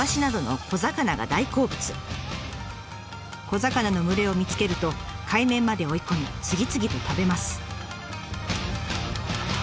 小魚の群れを見つけると海面まで追い込み次々と食べます。